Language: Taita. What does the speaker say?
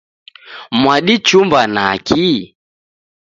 Mwadichumba naki?